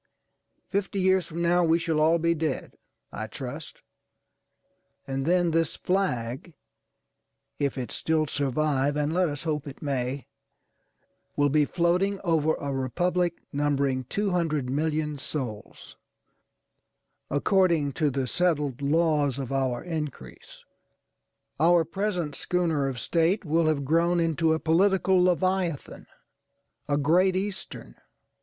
Fifty years from now we shall all be dead, I trust, and then this flag, if it still survive (and let us hope it may), will be floating over a Republic numbering 200,000,000 souls, according to the settled laws of our increase. Our present schooner of State will have grown into a political leviathanâ€"a Great Eastern.